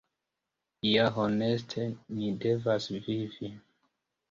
Ja honeste ni devas vivi.